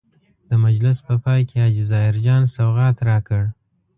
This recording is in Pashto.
د مجلس په پای کې حاجي ظاهر جان سوغات راکړ.